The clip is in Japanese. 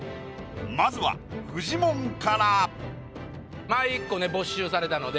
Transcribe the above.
まずはフジモンから。